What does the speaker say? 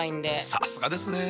さすがですね。